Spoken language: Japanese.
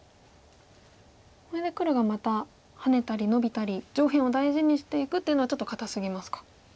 これで黒がまたハネたりノビたり上辺を大事にしていくっていうのはちょっと堅すぎますか。